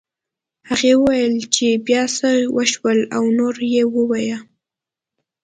هغې وویل چې بيا څه وشول او نور یې ووایه